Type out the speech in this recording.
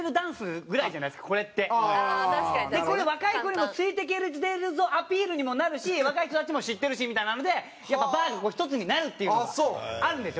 でこれ若い子にもついていけてるぞアピールにもなるし若い人たちも知ってるしみたいなのでやっぱバーが１つになるっていうのがあるんですよ